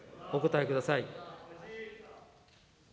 お答えください。